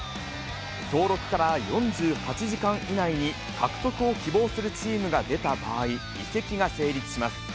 登録から４８時間以内に獲得を希望するチームが出た場合、移籍が成立します。